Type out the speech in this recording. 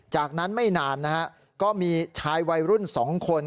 จากนั้นไม่นานนะฮะก็มีชายวัยรุ่น๒คน